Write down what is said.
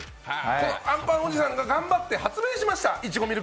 このあんぱんおじさんが頑張って発明しました。